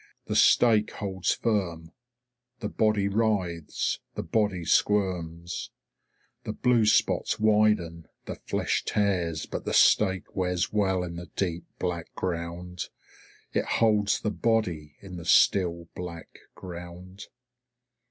The stake holds firm. The body writhes, the body squirms. The blue spots widen, the flesh tears, but the stake wears well in the deep, black ground. It holds the body in the still, black ground.